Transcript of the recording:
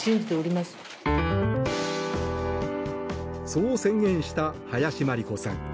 そう宣言した林真理子さん。